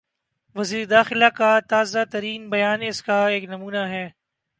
وزیر داخلہ کا تازہ ترین بیان اس کا ایک نمونہ ہے۔